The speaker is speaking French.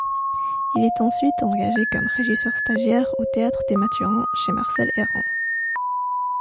Il est ensuite engagé comme régisseur stagiaire au Théâtre des Mathurins chez Marcel Herrand.